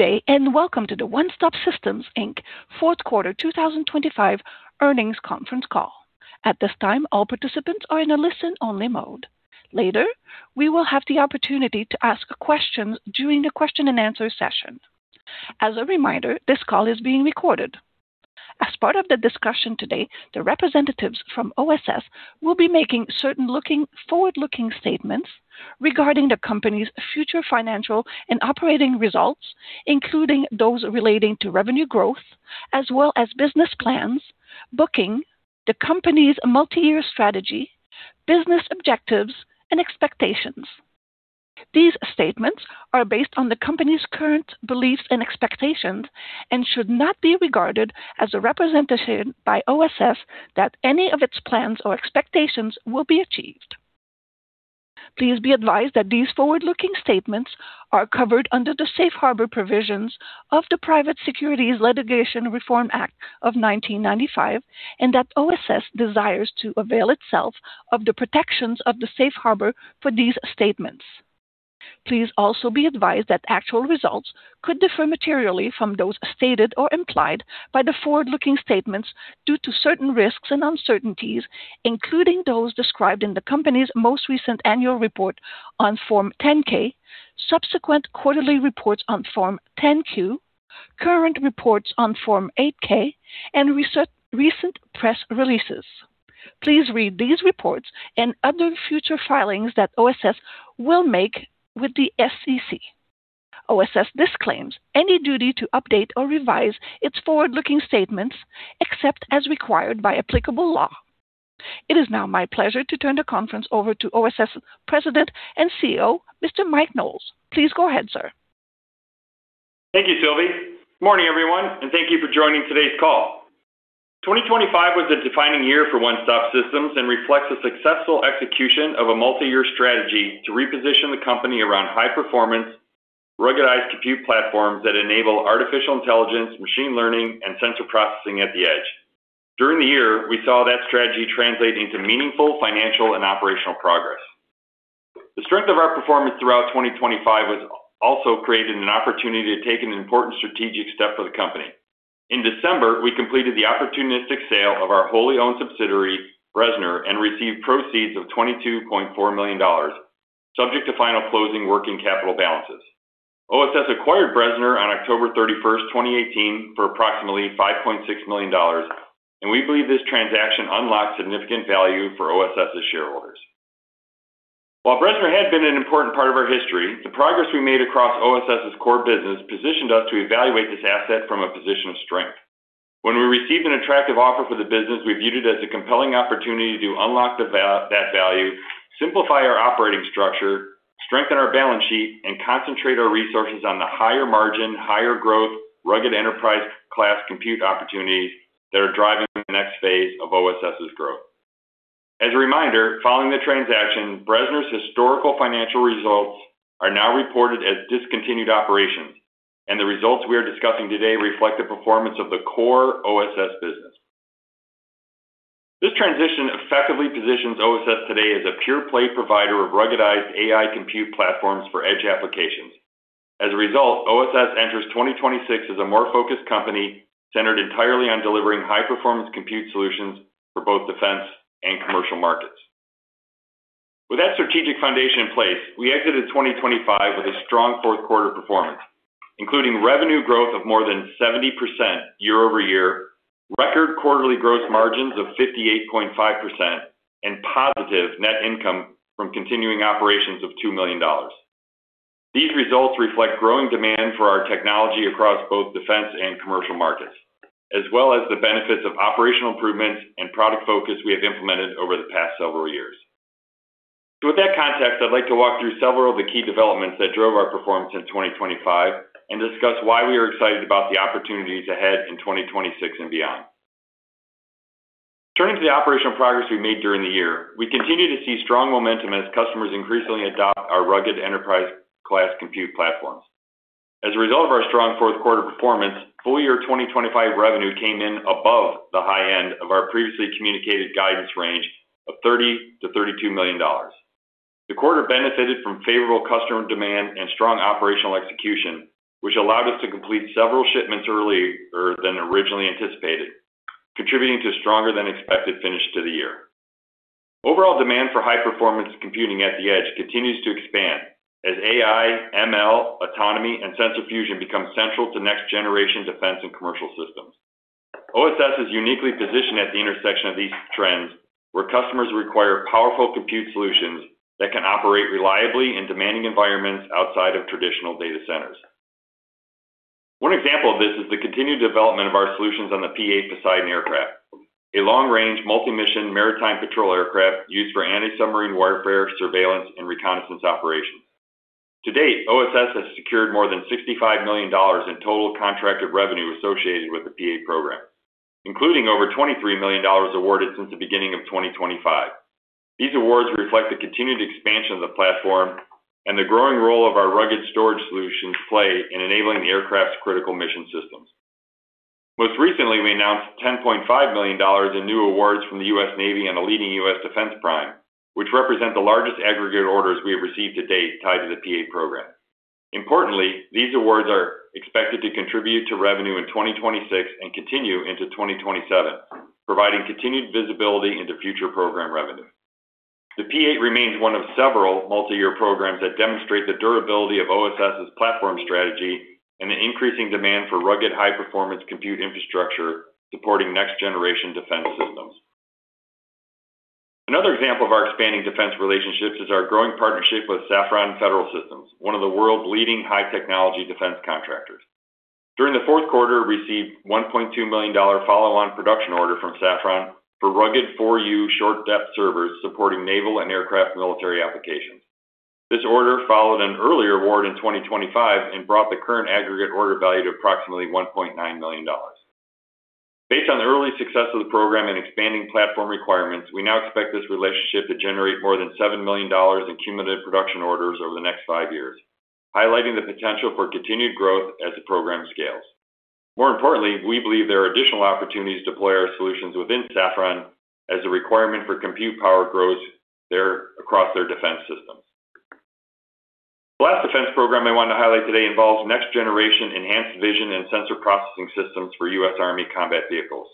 Day, and welcome to the One Stop Systems, Inc. fourth quarter 2025 earnings conference call. At this time, all participants are in a listen-only mode. Later, we will have the opportunity to ask questions during the question and answer session. As a reminder, this call is being recorded. As part of the discussion today, the representatives from OSS will be making certain forward-looking statements regarding the company's future financial and operating results, including those relating to revenue growth as well as business plans, bookings, the company's multi-year strategy, business objectives and expectations. These statements are based on the company's current beliefs and expectations and should not be regarded as a representation by OSS that any of its plans or expectations will be achieved. Please be advised that these forward-looking statements are covered under the safe harbor provisions of the Private Securities Litigation Reform Act of 1995, and that OSS desires to avail itself of the protections of the safe harbor for these statements. Please also be advised that actual results could differ materially from those stated or implied by the forward-looking statements due to certain risks and uncertainties, including those described in the company's most recent annual report on Form 10-K, subsequent quarterly reports on Form 10-Q, current reports on Form 8-K, and recent press releases. Please read these reports and other future filings that OSS will make with the SEC. OSS disclaims any duty to update or revise its forward-looking statements except as required by applicable law. It is now my pleasure to turn the conference over to OSS President and CEO, Mr. Mike Knowles. Please go ahead, sir. Thank you, Sylvie. Good morning, everyone, and thank you for joining today's call. 2025 was a defining year for One Stop Systems and reflects the successful execution of a multi-year strategy to reposition the company around high-performance, ruggedized compute platforms that enable artificial intelligence, machine learning, and sensor processing at the edge. During the year, we saw that strategy translate into meaningful financial and operational progress. The strength of our performance throughout 2025 has also created an opportunity to take an important strategic step for the company. In December, we completed the opportunistic sale of our wholly owned subsidiary, Bressner, and received proceeds of $22.4 million, subject to final closing working capital balances. OSS acquired Bressner on October 31st, 2018 for approximately $5.6 million, and we believe this transaction unlocks significant value for OSS's shareholders. While Bressner had been an important part of our history, the progress we made across OSS's core business positioned us to evaluate this asset from a position of strength. When we received an attractive offer for the business, we viewed it as a compelling opportunity to unlock that value, simplify our operating structure, strengthen our balance sheet, and concentrate our resources on the higher margin, higher growth, rugged enterprise-class compute opportunities that are driving the next phase of OSS's growth. As a reminder, following the transaction, Bressner's historical financial results are now reported as discontinued operations, and the results we are discussing today reflect the performance of the core OSS business. This transition effectively positions OSS today as a pure-play provider of ruggedized AI compute platforms for edge applications. As a result, OSS enters 2026 as a more focused company centered entirely on delivering high-performance compute solutions for both defense and commercial markets. With that strategic foundation in place, we exited 2025 with a strong fourth quarter performance, including revenue growth of more than 70% year over year, record quarterly gross margins of 58.5%, and positive net income from continuing operations of $2 million. These results reflect growing demand for our technology across both defense and commercial markets, as well as the benefits of operational improvements and product focus we have implemented over the past several years. With that context, I'd like to walk through several of the key developments that drove our performance in 2025 and discuss why we are excited about the opportunities ahead in 2026 and beyond. Turning to the operational progress we made during the year, we continue to see strong momentum as customers increasingly adopt our rugged enterprise-class compute platforms. As a result of our strong fourth quarter performance, full year 2025 revenue came in above the high end of our previously communicated guidance range of $30 million-$32 million. The quarter benefited from favorable customer demand and strong operational execution, which allowed us to complete several shipments earlier than originally anticipated, contributing to stronger than expected finish to the year. Overall demand for high-performance computing at the edge continues to expand as AI, ML, autonomy, and sensor fusion become central to next generation defense and commercial systems. OSS is uniquely positioned at the intersection of these trends, where customers require powerful compute solutions that can operate reliably in demanding environments outside of traditional data centers. One example of this is the continued development of our solutions on the P-8 Poseidon aircraft, a long-range multi-mission maritime patrol aircraft used for anti-submarine warfare, surveillance, and reconnaissance operations. To date, OSS has secured more than $65 million in total contracted revenue associated with the P-8 program, including over $23 million awarded since the beginning of 2025. These awards reflect the continued expansion of the platform and the growing role of our rugged storage solutions play in enabling the aircraft's critical mission systems. Most recently, we announced $10.5 million in new awards from the U.S. Navy and a leading U.S. defense prime, which represent the largest aggregate orders we have received to date tied to the P-8 program. Importantly, these awards are expected to contribute to revenue in 2026 and continue into 2027, providing continued visibility into future program revenue. The P-8 remains one of several multi-year programs that demonstrate the durability of OSS's platform strategy and the increasing demand for rugged, high-performance compute infrastructure supporting next-generation defense systems. Another example of our expanding defense relationships is our growing partnership with Safran Federal Systems, one of the world's leading high-technology defense contractors. During the fourth quarter, we received $1.2 million follow-on production order from Safran for rugged 4U short-depth servers supporting naval and aircraft military applications. This order followed an earlier award in 2025 and brought the current aggregate order value to approximately $1.9 million. Based on the early success of the program in expanding platform requirements, we now expect this relationship to generate more than $7 million in cumulative production orders over the next five years, highlighting the potential for continued growth as the program scales. More importantly, we believe there are additional opportunities to deploy our solutions within Safran as the requirement for compute power grows there, across their defense systems. The last defense program I want to highlight today involves next-generation enhanced vision and sensor processing systems for U.S. Army combat vehicles.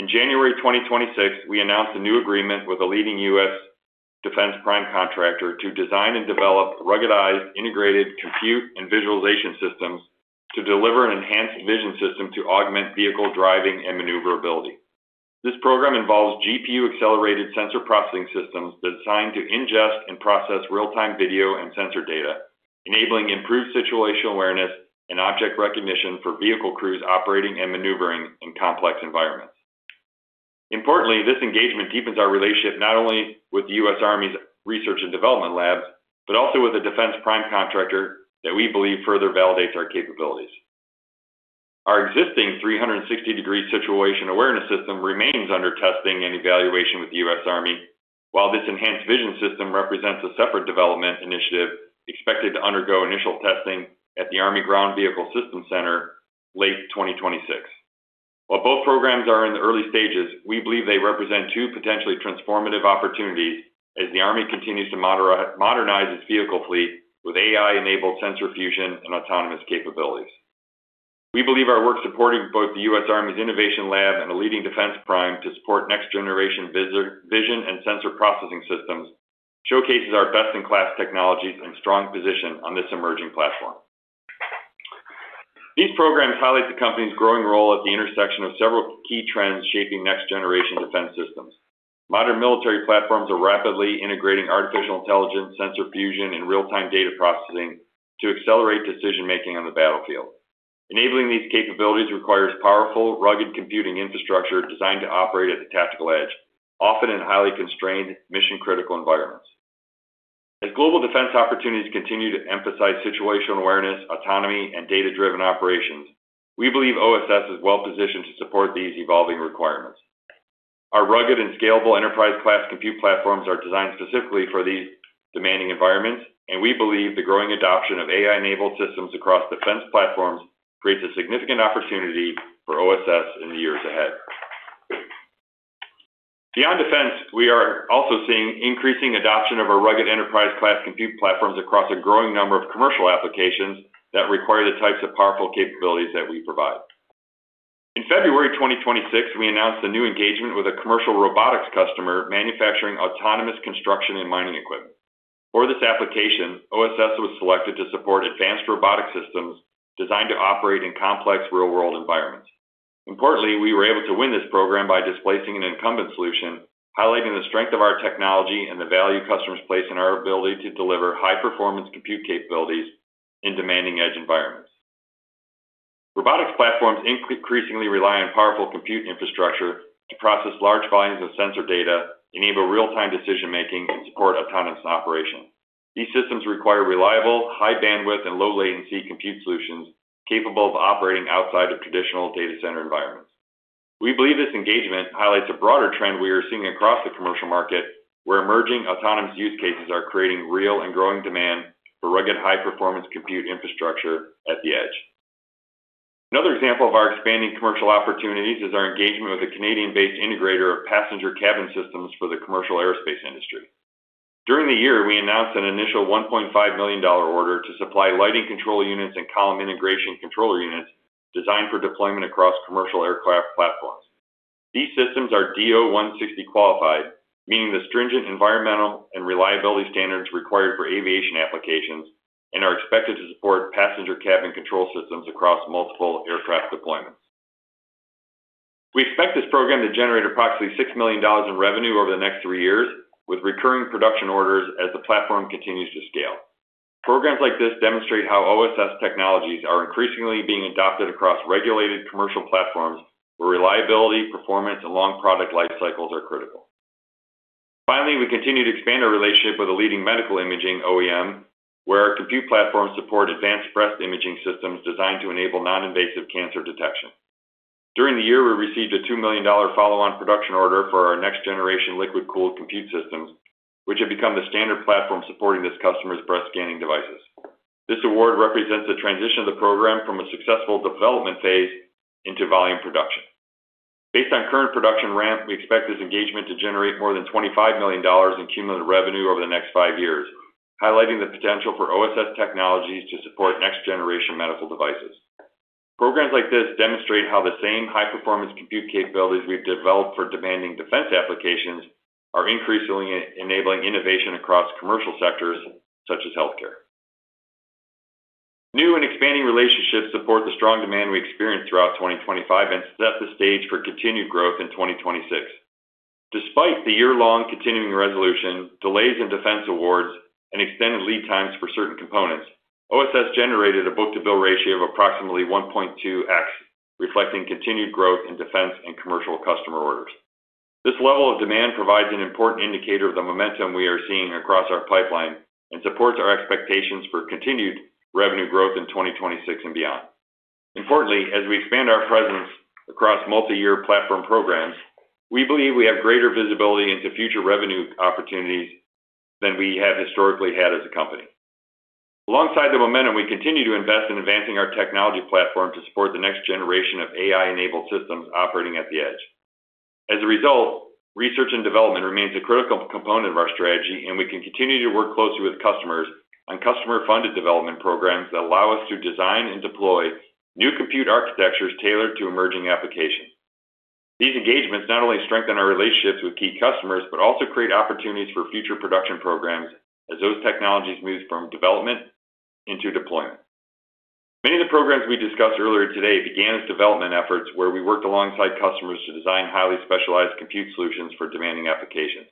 In January 2026, we announced a new agreement with a leading U.S. defense prime contractor to design and develop ruggedized, integrated compute and visualization systems to deliver an enhanced vision system to augment vehicle driving and maneuverability. This program involves GPU-accelerated sensor processing systems designed to ingest and process real-time video and sensor data, enabling improved situational awareness and object recognition for vehicle crews operating and maneuvering in complex environments. Importantly, this engagement deepens our relationship not only with the U.S. Army's research and development labs, but also with a defense prime contractor that we believe further validates our capabilities. Our existing 360-degree situation awareness system remains under testing and evaluation with the U.S. Army, while this enhanced vision system represents a separate development initiative expected to undergo initial testing at the U.S. Army Ground Vehicle Systems Center late 2026. While both programs are in the early stages, we believe they represent two potentially transformative opportunities as the Army continues to modernize its vehicle fleet with AI-enabled sensor fusion and autonomous capabilities. We believe our work supporting both the U.S. Army's innovation lab and a leading defense prime to support next-generation vision and sensor processing systems showcases our best-in-class technologies and strong position on this emerging platform. These programs highlight the company's growing role at the intersection of several key trends shaping next-generation defense systems. Modern military platforms are rapidly integrating artificial intelligence, sensor fusion, and real-time data processing to accelerate decision-making on the battlefield. Enabling these capabilities requires powerful, rugged computing infrastructure designed to operate at the tactical edge, often in highly constrained, mission-critical environments. As global defense opportunities continue to emphasize situational awareness, autonomy, and data-driven operations, we believe OSS is well-positioned to support these evolving requirements. Our rugged and scalable enterprise-class compute platforms are designed specifically for these demanding environments, and we believe the growing adoption of AI-enabled systems across defense platforms creates a significant opportunity for OSS in the years ahead. Beyond defense, we are also seeing increasing adoption of our rugged enterprise-class compute platforms across a growing number of commercial applications that require the types of powerful capabilities that we provide. In February 2026, we announced a new engagement with a commercial robotics customer manufacturing autonomous construction and mining equipment. For this application, OSS was selected to support advanced robotic systems designed to operate in complex, real-world environments. Importantly, we were able to win this program by displacing an incumbent solution, highlighting the strength of our technology and the value customers place in our ability to deliver high-performance compute capabilities in demanding edge environments. Robotics platforms increasingly rely on powerful compute infrastructure to process large volumes of sensor data, enable real-time decision-making, and support autonomous operation. These systems require reliable, high-bandwidth, and low-latency compute solutions capable of operating outside of traditional data center environments. We believe this engagement highlights a broader trend we are seeing across the commercial market, where emerging autonomous use cases are creating real and growing demand for rugged, high-performance compute infrastructure at the edge. Another example of our expanding commercial opportunities is our engagement with a Canadian-based integrator of passenger cabin systems for the commercial aerospace industry. During the year, we announced an initial $1.5 million order to supply lighting control units and column integration controller units designed for deployment across commercial aircraft platforms. These systems are DO-160 qualified, meeting the stringent environmental and reliability standards required for aviation applications and are expected to support passenger cabin control systems across multiple aircraft deployments. We expect this program to generate approximately $6 million in revenue over the next three years, with recurring production orders as the platform continues to scale. Programs like this demonstrate how OSS technologies are increasingly being adopted across regulated commercial platforms where reliability, performance, and long product life cycles are critical. Finally, we continue to expand our relationship with a leading medical imaging OEM, where our compute platforms support advanced breast imaging systems designed to enable non-invasive cancer detection. During the year, we received a $2 million follow-on production order for our next-generation liquid-cooled compute systems, which have become the standard platform supporting this customer's breast scanning devices. This award represents a transition of the program from a successful development phase into volume production. Based on current production ramp, we expect this engagement to generate more than $25 million in cumulative revenue over the next five years, highlighting the potential for OSS technologies to support next-generation medical devices. Programs like this demonstrate how the same high-performance compute capabilities we've developed for demanding defense applications are increasingly enabling innovation across commercial sectors such as healthcare. New and expanding relationships support the strong demand we experienced throughout 2025 and set the stage for continued growth in 2026. Despite the year-long continuing resolution, delays in defense awards, and extended lead times for certain components, OSS generated a book-to-bill ratio of approximately 1.2x, reflecting continued growth in defense and commercial customer orders. This level of demand provides an important indicator of the momentum we are seeing across our pipeline and supports our expectations for continued revenue growth in 2026 and beyond. Importantly, as we expand our presence across multi-year platform programs, we believe we have greater visibility into future revenue opportunities than we have historically had as a company. Alongside the momentum, we continue to invest in advancing our technology platform to support the next generation of AI-enabled systems operating at the edge. As a result, research and development remains a critical component of our strategy, and we can continue to work closely with customers on customer-funded development programs that allow us to design and deploy new compute architectures tailored to emerging applications. These engagements not only strengthen our relationships with key customers but also create opportunities for future production programs as those technologies move from development into deployment. Many of the programs we discussed earlier today began as development efforts where we worked alongside customers to design highly specialized compute solutions for demanding applications.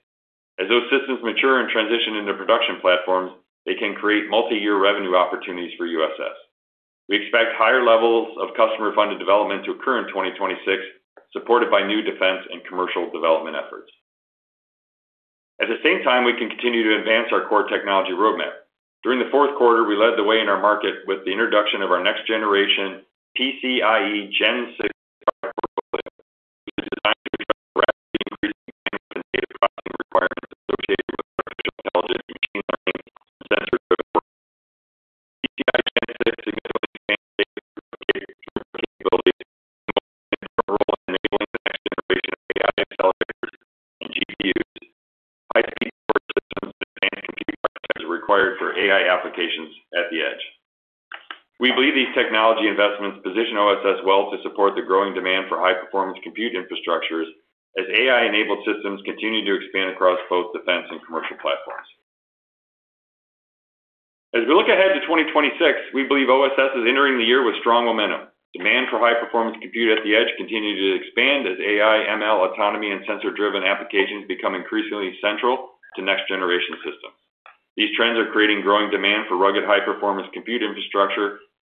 As those systems mature and transition into production platforms, they can create multi-year revenue opportunities for OSS. We expect higher levels of customer-funded development to occur in 2026, supported by new defense and commercial development efforts. At the same time, we can continue to advance our core technology roadmap. During the fourth quarter, we led the way in our market with the introduction of our next-generation PCIe Gen 6 card portfolio. It was designed to address the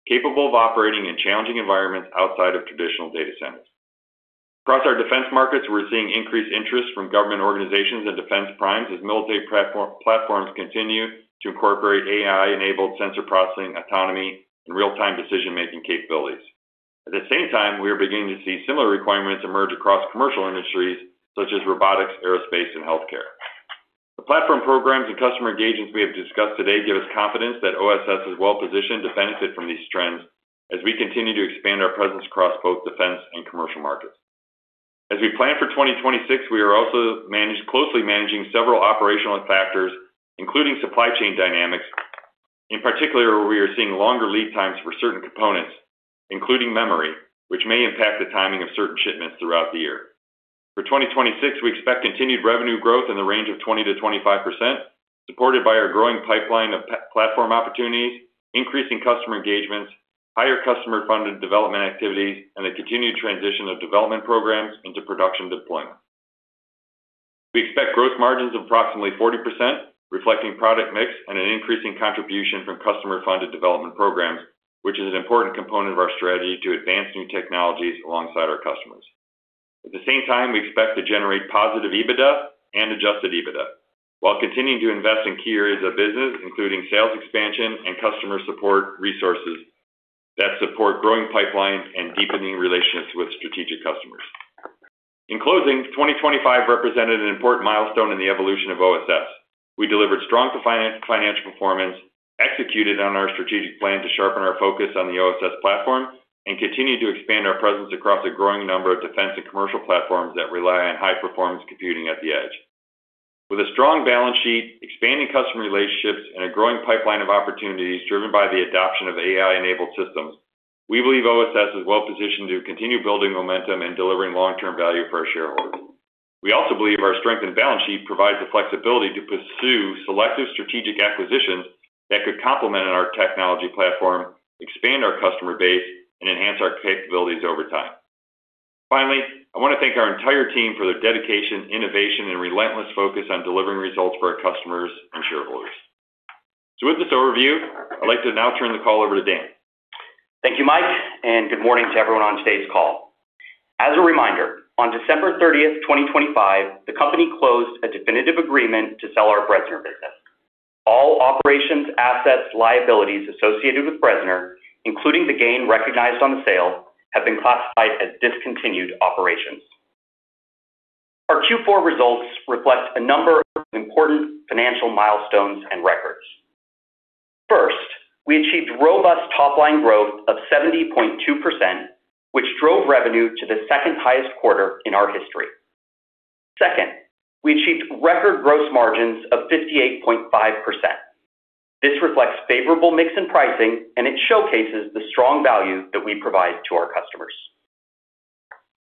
capable of operating in challenging environments outside of traditional data centers. Across our defense markets, we're seeing increased interest from government organizations and defense primes as military platforms continue to incorporate AI-enabled sensor processing, autonomy, and real-time decision-making capabilities. At the same time, we are beginning to see similar requirements emerge across commercial industries such as robotics, aerospace, and healthcare. The platform programs and customer engagements we have discussed today give us confidence that OSS is well-positioned to benefit from these trends as we continue to expand our presence across both defense and commercial markets. As we plan for 2026, we are also closely managing several operational factors, including supply chain dynamics. In particular, we are seeing longer lead times for certain components, including memory, which may impact the timing of certain shipments throughout the year. For 2026, we expect continued revenue growth in the range of 20%-25%, supported by our growing pipeline of platform opportunities, increasing customer engagements, higher customer-funded development activities, and a continued transition of development programs into production deployment. We expect gross margins of approximately 40%, reflecting product mix and an increasing contribution from customer-funded development programs, which is an important component of our strategy to advance new technologies alongside our customers. At the same time, we expect to generate positive EBITDA and Adjusted EBITDA while continuing to invest in key areas of business, including sales expansion and customer support resources that support growing pipelines and deepening relationships with strategic customers. In closing, 2025 represented an important milestone in the evolution of OSS. We delivered strong financial performance, executed on our strategic plan to sharpen our focus on the OSS platform, and continued to expand our presence across a growing number of defense and commercial platforms that rely on high-performance computing at the edge. With a strong balance sheet, expanding customer relationships, and a growing pipeline of opportunities driven by the adoption of AI-enabled systems, we believe OSS is well-positioned to continue building momentum and delivering long-term value for our shareholders. We also believe our strengthened balance sheet provides the flexibility to pursue selective strategic acquisitions that could complement our technology platform, expand our customer base, and enhance our capabilities over time. Finally, I wanna thank our entire team for their dedication, innovation, and relentless focus on delivering results for our customers and shareholders. With this overview, I'd like to now turn the call over to Dan. Thank you, Mike, and good morning to everyone on today's call. As a reminder, on December 30, 2025, the company closed a definitive agreement to sell our Bressner business. All operations, assets, liabilities associated with Bressner, including the gain recognized on the sale, have been classified as discontinued operations. Q4 results reflect a number of important financial milestones and records. First, we achieved robust top-line growth of 70.2%, which drove revenue to the second highest quarter in our history. Second, we achieved record gross margins of 58.5%. This reflects favorable mix in pricing, and it showcases the strong value that we provide to our customers.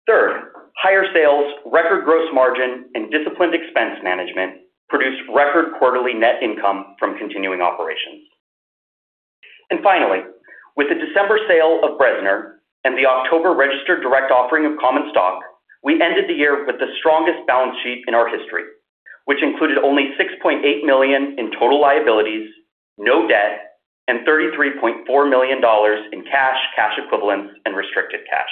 Third, higher sales, record gross margin, and disciplined expense management produced record quarterly net income from continuing operations. Finally, with the December sale of Bressner and the October registered direct offering of common stock, we ended the year with the strongest balance sheet in our history, which included only $6.8 million in total liabilities, no debt, and $33.4 million in cash equivalents, and restricted cash.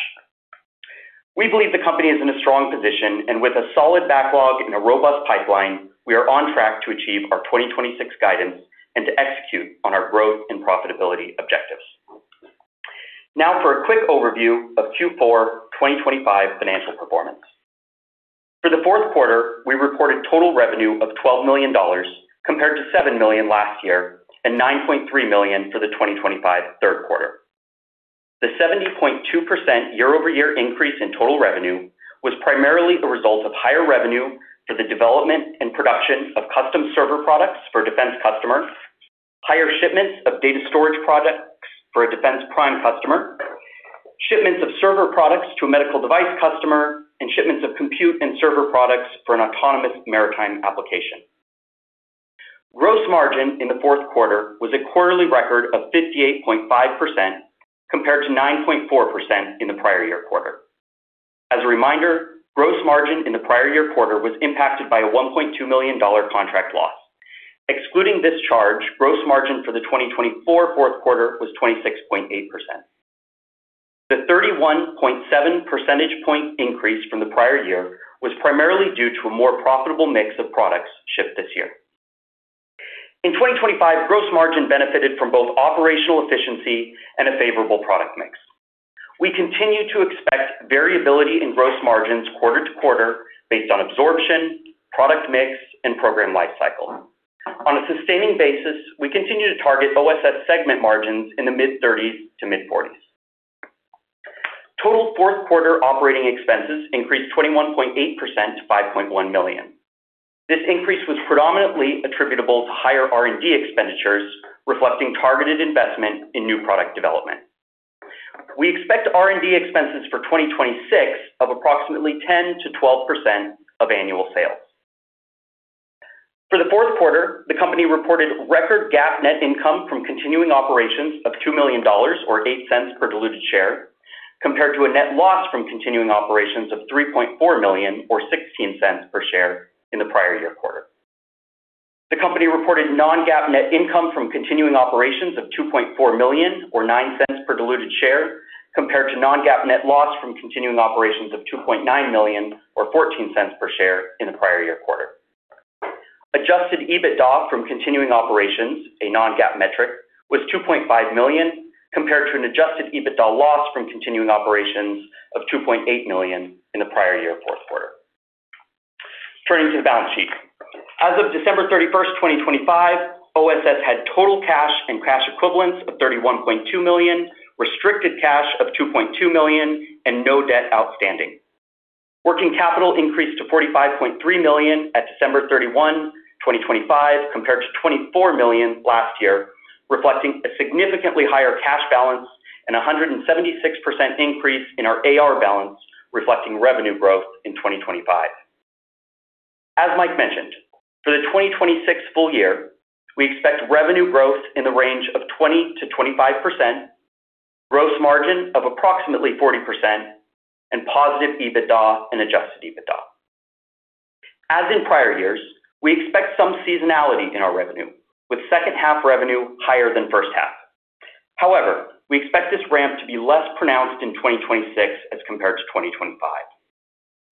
We believe the company is in a strong position and with a solid backlog and a robust pipeline, we are on track to achieve our 2026 guidance and to execute on our growth and profitability objectives. Now for a quick overview of Q4 2025 financial performance. For the fourth quarter, we reported total revenue of $12 million compared to $7 million last year and $9.3 million for the 2025 third quarter. The 70.2% year-over-year increase in total revenue was primarily a result of higher revenue for the development and production of custom server products for defense customers, higher shipments of data storage products for a defense prime customer, shipments of server products to a medical device customer, and shipments of compute and server products for an autonomous maritime application. Gross margin in the fourth quarter was a quarterly record of 58.5% compared to 9.4% in the prior year quarter. As a reminder, gross margin in the prior year quarter was impacted by a $1.2 million contract loss. Excluding this charge, gross margin for the 2024 fourth quarter was 26.8%. The 31.7 percentage point increase from the prior year was primarily due to a more profitable mix of products shipped this year. In 2025, gross margin benefited from both operational efficiency and a favorable product mix. We continue to expect variability in gross margins quarter to quarter based on absorption, product mix, and program life cycle. On a sustaining basis, we continue to target OSS segment margins in the mid-30s to mid-40s. Total fourth quarter operating expenses increased 21.8% to $5.1 million. This increase was predominantly attributable to higher R&D expenditures, reflecting targeted investment in new product development. We expect R&D expenses for 2026 of approximately 10%-12% of annual sales. For the fourth quarter, the company reported record GAAP net income from continuing operations of $2 million or $0.08 per diluted share, compared to a net loss from continuing operations of $3.4 million or $0.16 per share in the prior year quarter. The company reported non-GAAP net income from continuing operations of $2.4 million or $0.09 per diluted share, compared to non-GAAP net loss from continuing operations of $2.9 million or $0.14 per share in the prior year quarter. Adjusted EBITDA from continuing operations, a non-GAAP metric, was $2.5 million, compared to an Adjusted EBITDA loss from continuing operations of $2.8 million in the prior year fourth quarter. Turning to the balance sheet. As of December 31, 2025, OSS had total cash and cash equivalents of $31.2 million, restricted cash of $2.2 million, and no debt outstanding. Working capital increased to $45.3 million at December 31, 2025, compared to $24 million last year, reflecting a significantly higher cash balance and a 176% increase in our AR balance, reflecting revenue growth in 2025. As Mike mentioned, for the 2026 full year, we expect revenue growth in the range of 20%-25%, gross margin of approximately 40%, and positive EBITDA and Adjusted EBITDA. As in prior years, we expect some seasonality in our revenue, with second half revenue higher than first half. However, we expect this ramp to be less pronounced in 2026 as compared to 2025.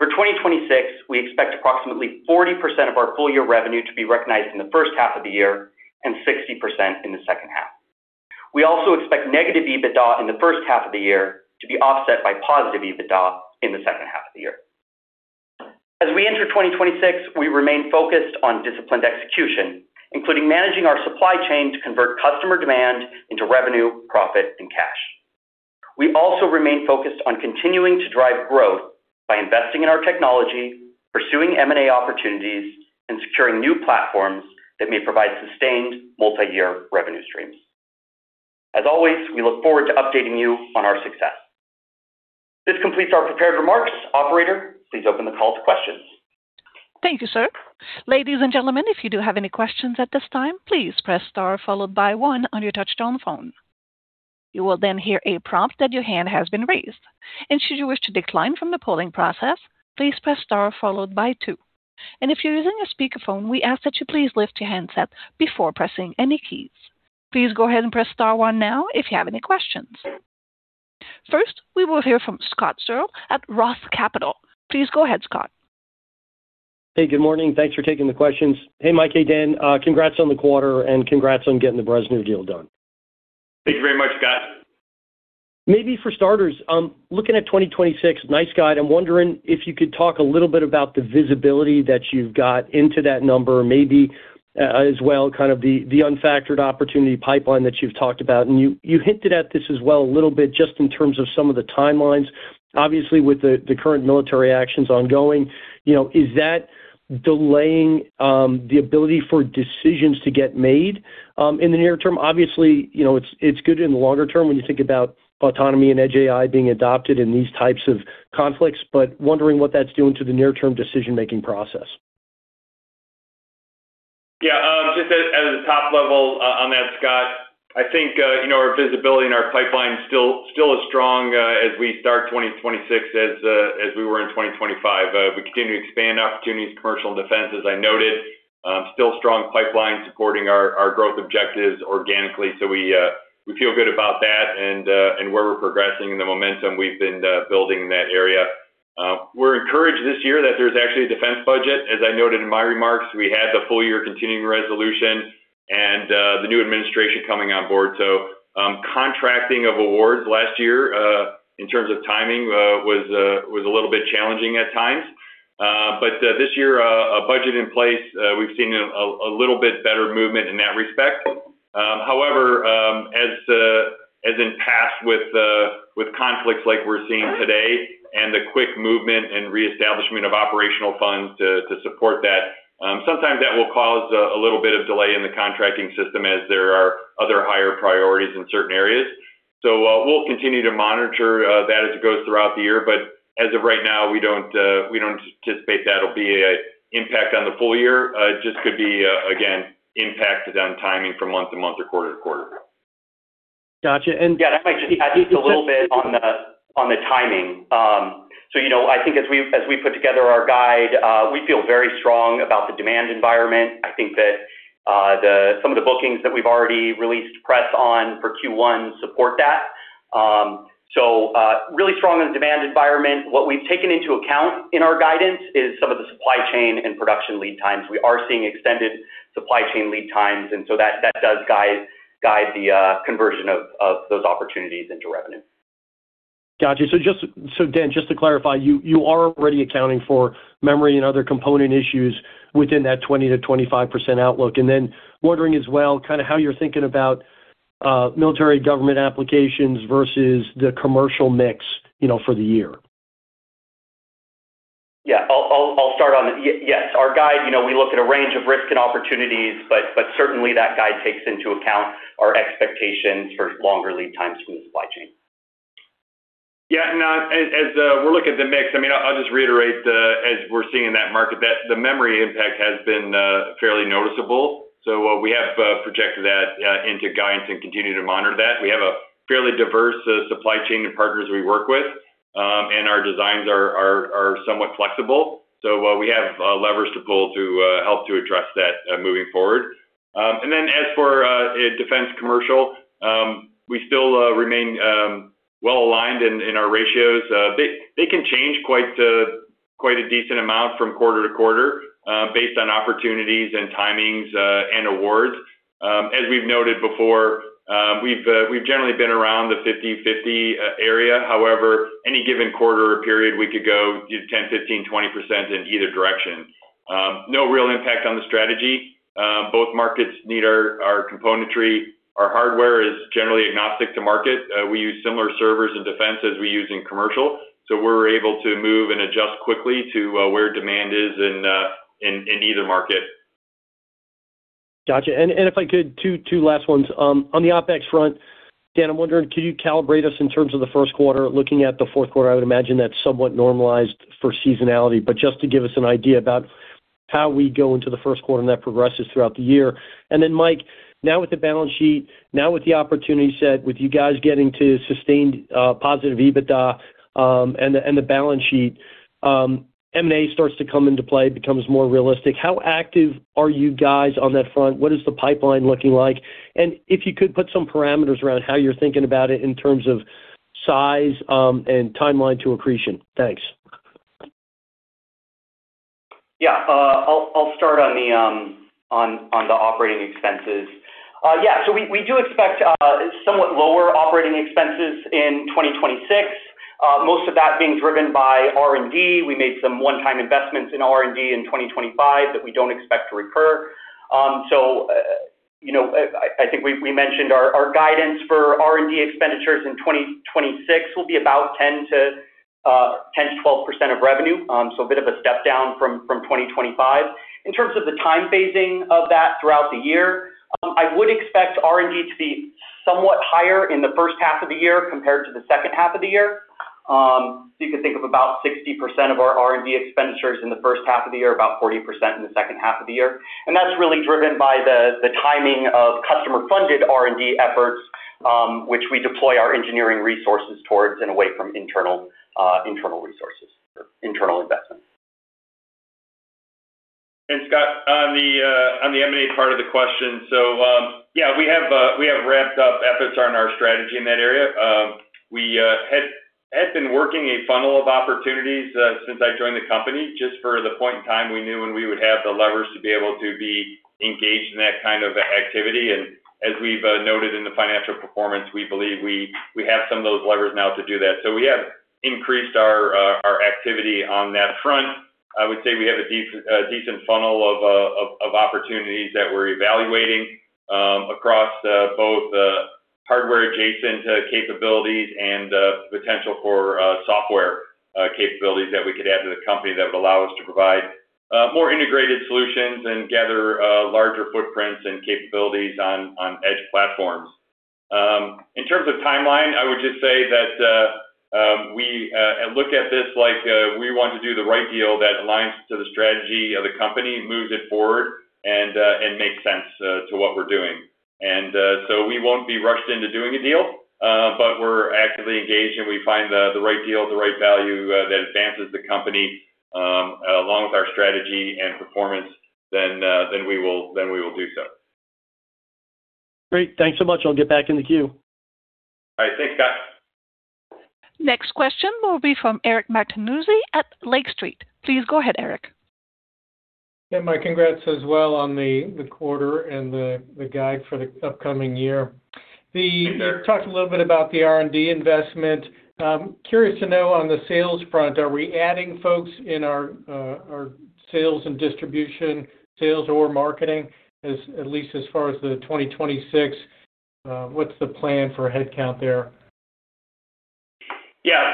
For 2026, we expect approximately 40% of our full-year revenue to be recognized in the first half of the year and 60% in the second half. We also expect negative EBITDA in the first half of the year to be offset by positive EBITDA in the second half of the year. As we enter 2026, we remain focused on disciplined execution, including managing our supply chain to convert customer demand into revenue, profit, and cash. We also remain focused on continuing to drive growth by investing in our technology, pursuing M&A opportunities, and securing new platforms that may provide sustained multi-year revenue streams. As always, we look forward to updating you on our success. This completes our prepared remarks. Operator, please open the call to questions. Thank you, sir. Ladies and gentlemen, if you do have any questions at this time, please press star followed by one on your touchtone phone. You will then hear a prompt that your hand has been raised. Should you wish to decline from the polling process, please press star followed by two. If you're using a speakerphone, we ask that you please lift your handset before pressing any keys. Please go ahead and press star one now if you have any questions. First, we will hear from Scott Searle at Roth Capital. Please go ahead, Scott. Hey, good morning. Thanks for taking the questions. Hey, Mike. Hey, Dan. Congrats on the quarter and congrats on getting the Bressner deal done. Thank you very much, Scott. Maybe for starters, looking at 2026 guidance, I'm wondering if you could talk a little bit about the visibility that you've got into that number, maybe as well, kind of the unfunded opportunity pipeline that you've talked about. You hinted at this as well a little bit just in terms of some of the timelines. Obviously, with the current military actions ongoing, you know, is that delaying the ability for decisions to get made in the near term? Obviously, you know, it's good in the longer term when you think about autonomy and Edge AI being adopted in these types of conflicts, but wondering what that's doing to the near term decision-making process. Yeah. Just as a top level on that, Scott, I think, you know, our visibility and our pipeline is still as strong as we start 2026 as we were in 2025. We continue to expand opportunities, commercial and defense, as I noted. Still strong pipeline supporting our growth objectives organically. We feel good about that and where we're progressing and the momentum we've been building in that area. We're encouraged this year that there's actually a defense budget. As I noted in my remarks, we had the full year continuing resolution and the new administration coming on board. Contracting of awards last year, in terms of timing, was a little bit challenging at times. This year, a budget in place, we've seen a little bit better movement in that respect. However, as in past with conflicts like we're seeing today and the quick movement and reestablishment of operational funds to support that, sometimes that will cause a little bit of delay in the contracting system as there are other higher priorities in certain areas. We'll continue to monitor that as it goes throughout the year. As of right now, we don't anticipate that'll be an impact on the full year. Just could be again impacted on timing from month to month or quarter to quarter. Got you. Yeah. If I could just add just a little bit on the timing. You know, I think as we put together our guide, we feel very strong about the demand environment. I think that some of the bookings that we've already released for Q1 support that. Really strong in the demand environment. What we've taken into account in our guidance is some of the supply chain and production lead times. We are seeing extended supply chain lead times, and so that does guide the conversion of those opportunities into revenue. Got you. Dan, just to clarify, you are already accounting for memory and other component issues within that 20%-25% outlook. Wondering as well kind of how you're thinking about military government applications versus the commercial mix, you know, for the year. Yeah. I'll start on it. Yes. Our guide, you know, we look at a range of risks and opportunities, but certainly that guide takes into account our expectations for longer lead times from the supply chain. As we're looking at the mix, I mean, I'll just reiterate, as we're seeing in that market that the memory impact has been fairly noticeable. We have projected that into guidance and continue to monitor that. We have a fairly diverse supply chain of partners we work with, and our designs are somewhat flexible. So while we have levers to pull to help to address that moving forward. Then as for defense commercial, we still remain well-aligned in our ratios. They can change quite a decent amount from quarter to quarter, based on opportunities and timings, and awards. As we've noted before, we've generally been around the 50/50 area. However, any given quarter or period, we could go 10%, 15%, 20% in either direction. No real impact on the strategy. Both markets need our componentry. Our hardware is generally agnostic to market. We use similar servers in defense as we use in commercial, so we're able to move and adjust quickly to where demand is in either market. Got you. If I could, two last ones. On the OpEx front, Dan, I'm wondering, could you calibrate us in terms of the first quarter? Looking at the fourth quarter, I would imagine that's somewhat normalized for seasonality, but just to give us an idea about how we go into the first quarter and that progresses throughout the year. Mike, now with the balance sheet, now with the opportunity set, with you guys getting to sustained positive EBITDA, and the balance sheet, M&A starts to come into play, becomes more realistic. How active are you guys on that front? What is the pipeline looking like? If you could put some parameters around how you're thinking about it in terms of size, and timeline to accretion. Thanks. I'll start on the operating expenses. We do expect somewhat lower operating expenses in 2026, most of that being driven by R&D. We made some one-time investments in R&D in 2025 that we don't expect to recur. You know, I think we mentioned our guidance for R&D expenditures in 2026 will be about 10%-12% of revenue, so a bit of a step down from 2025. In terms of the time phasing of that throughout the year, I would expect R&D to be somewhat higher in the first half of the year compared to the second half of the year. You could think of about 60% of our R&D expenditures in the first half of the year, about 40% in the second half of the year. That's really driven by the timing of customer-funded R&D efforts, which we deploy our engineering resources towards and away from internal resources or internal investment. Scott, on the M&A part of the question. We have ramped up efforts on our strategy in that area. We have been working a funnel of opportunities since I joined the company, just for the point in time we knew when we would have the levers to be able to be engaged in that kind of activity. As we've noted in the financial performance, we believe we have some of those levers now to do that. We have increased our activity on that front. I would say we have a decent funnel of opportunities that we're evaluating across both hardware adjacent capabilities and potential for software capabilities that we could add to the company that would allow us to provide more integrated solutions and gather larger footprints and capabilities on edge platforms. In terms of timeline, I would just say that we look at this like we want to do the right deal that aligns to the strategy of the company, moves it forward and makes sense to what we're doing. We won't be rushed into doing a deal, but we're actively engaged, and if we find the right deal at the right value, that advances the company along with our strategy and performance, then we will do so. Great. Thanks so much. I'll get back in the queue. All right. Thanks, Scott. Next question will be from Eric Martinuzzi at Lake Street. Please go ahead, Eric. Yeah, Mike, congrats as well on the quarter and the guide for the upcoming year. Thank you, Eric. You talked a little bit about the R&D investment. Curious to know on the sales front, are we adding folks in our sales and distribution, sales or marketing, at least as far as 2026, what's the plan for headcount there? Yeah.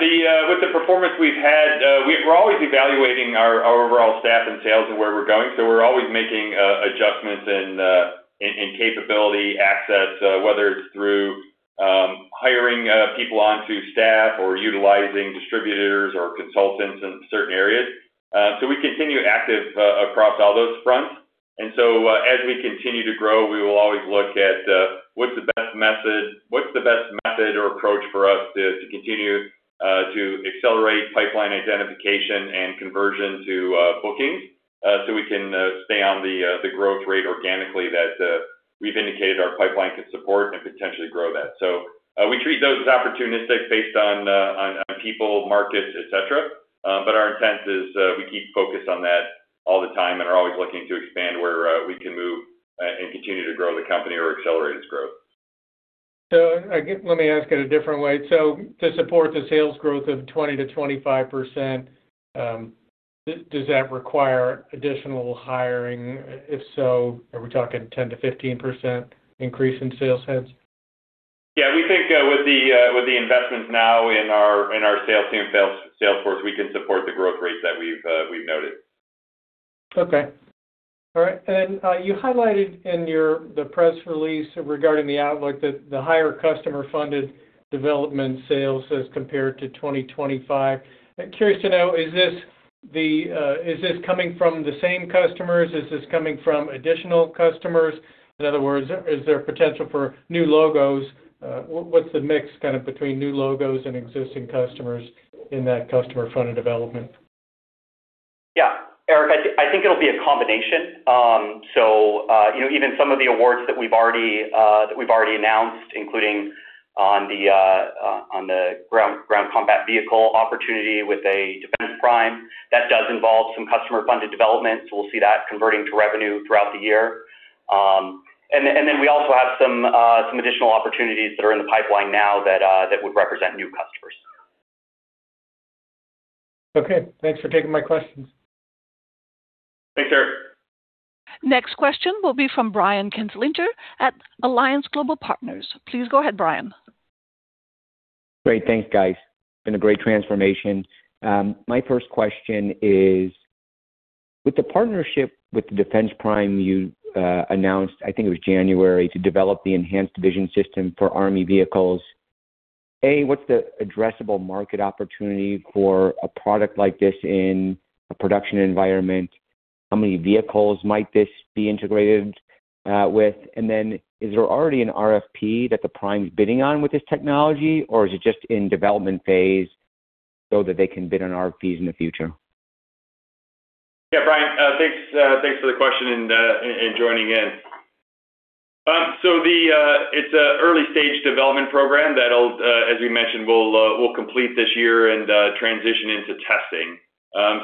With the performance we've had, we're always evaluating our overall staff and sales and where we're going. We're always making adjustments and capability access, whether it's through hiring people onto staff or utilizing distributors or consultants in certain areas. We continue active across all those fronts. As we continue to grow, we will always look at what's the best method or approach for us to continue to accelerate pipeline identification and conversion to bookings, so we can stay on the growth rate organically that we've indicated our pipeline could support and potentially grow that. We treat those as opportunistic based on people, markets, et cetera. Our intent is we keep focused on that all the time and are always looking to expand where we can move and continue to grow the company or accelerate its growth. Let me ask it a different way. To support the sales growth of 20%-25%, does that require additional hiring? If so, are we talking 10%-15% increase in sales heads? Yeah. We think with the investments now in our sales force, we can support the growth rates that we've noted. Okay. All right. You highlighted in the press release regarding the outlook that the higher customer-funded development sales as compared to 2025. Curious to know, is this coming from the same customers? Is this coming from additional customers? In other words, is there potential for new logos? What's the mix kinda between new logos and existing customers in that customer-funded development? Yeah. Eric, I think it'll be a combination. You know, even some of the awards that we've already announced, including on the ground combat vehicle opportunity with a defense prime, that does involve some customer-funded development. We'll see that converting to revenue throughout the year. We also have some additional opportunities that are in the pipeline now that would represent new customers. Okay. Thanks for taking my questions. Thanks, Eric. Next question will be from Brian Kinstlinger at Alliance Global Partners. Please go ahead, Brian. Great. Thanks, guys. Been a great transformation. My first question is with the partnership with the defense prime you announced, I think it was January, to develop the enhanced vision system for Army vehicles. What's the addressable market opportunity for a product like this in a production environment? How many vehicles might this be integrated with? And then is there already an RFP that the prime is bidding on with this technology, or is it just in development phase so that they can bid on RFPs in the future? Yeah. Brian, thanks for the question and joining in. It's an early-stage development program that'll, as we mentioned, we'll complete this year and transition into testing.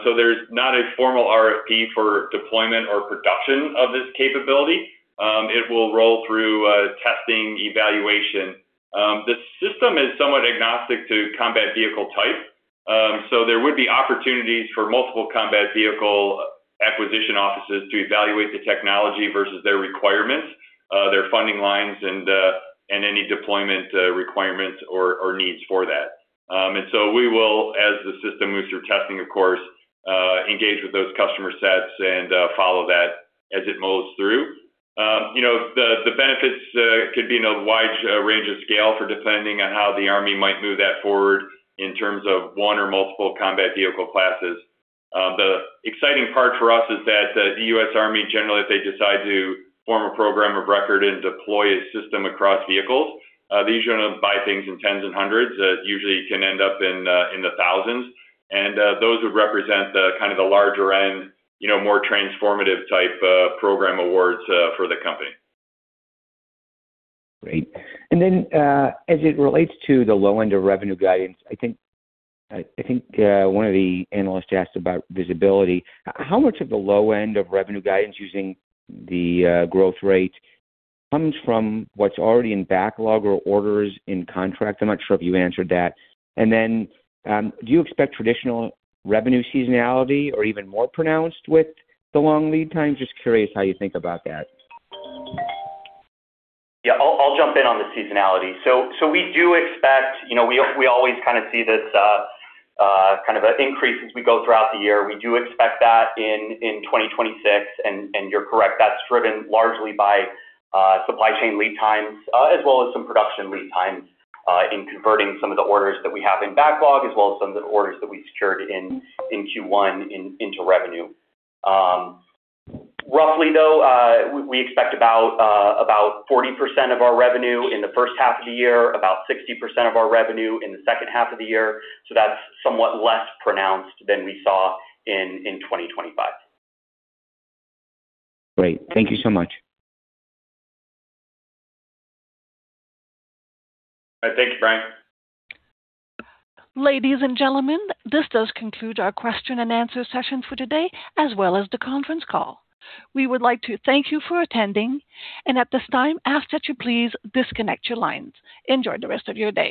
There's not a formal RFP for deployment or production of this capability. It will roll through testing, evaluation. The system is somewhat agnostic to combat vehicle type. There would be opportunities for multiple combat vehicle acquisition offices to evaluate the technology versus their requirements, their funding lines and any deployment requirements or needs for that. We will, as the system moves through testing, of course, engage with those customer sets and follow that as it moves through. You know, the benefits could be in a wide range of scale depending on how the U.S. Army might move that forward in terms of one or multiple combat vehicle classes. The exciting part for us is that the U.S. Army, generally, if they decide to form a program of record and deploy a system across vehicles, they usually don't buy things in tens and hundreds. It usually can end up in the thousands. Those would represent the kind of larger end, you know, more transformative type of program awards for the company. Great. As it relates to the low end of revenue guidance, I think one of the analysts asked about visibility. How much of the low end of revenue guidance using the growth rate comes from what's already in backlog or orders in contract? I'm not sure if you answered that. Do you expect traditional revenue seasonality or even more pronounced with the long lead time? Just curious how you think about that. Yeah. I'll jump in on the seasonality. We do expect, you know, we always kinda see this, kind of an increase as we go throughout the year. We do expect that in 2026. You're correct, that's driven largely by supply chain lead times, as well as some production lead times, in converting some of the orders that we have in backlog, as well as some of the orders that we secured in Q1 into revenue. Roughly, though, we expect about 40% of our revenue in the first half of the year, about 60% of our revenue in the second half of the year. That's somewhat less pronounced than we saw in 2025. Great. Thank you so much. All right. Thank you, Brian. Ladies and gentlemen, this does conclude our question and answer session for today as well as the conference call. We would like to thank you for attending, and at this time, ask that you please disconnect your lines. Enjoy the rest of your day.